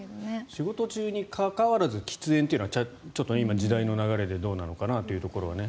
仕事中にかかわらず喫煙というのは今、時代の流れでどうなのかなというところは。